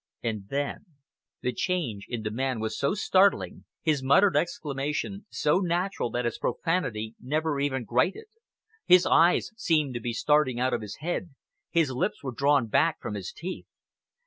And then: The change in the man was so startling, his muttered exclamation so natural that its profanity never even grated. His eyes seemed to be starting out of his head, his lips were drawn back from his teeth.